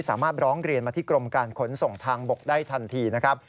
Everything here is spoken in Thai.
ร้องเรียนมาที่กรมการขนส่งทางบกได้ทันทีนะครับ